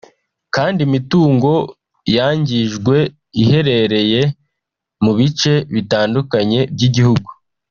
kandi imitungo yangijwe iherereye mu bice bitandukanye by’igihugu